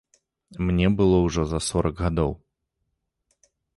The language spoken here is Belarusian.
Мне было ўжо за сорак гадоў.